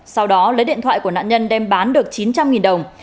sau đó lấy điện thoại của nạn nhân đem bán được chín trăm linh đồng